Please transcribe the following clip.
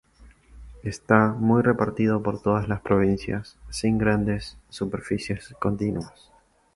Está muy repartido por todas las provincias, sin grandes superficies continuas.